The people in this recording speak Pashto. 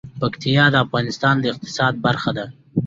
پکتیا د افغانستان د اقتصاد برخه ده.